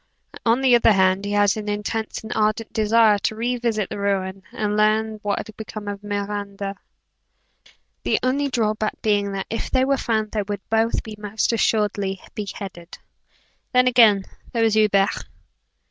On the other hand, he had an intense and ardent desire to re visit the ruin, and learn what had become of Miranda the only draw back being that, if they were found they would both be most assuredly beheaded. Then, again, there was Hubert.